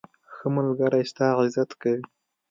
ښه ملګری ستا عزت کوي.